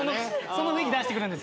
その雰囲気出してくるんですよ。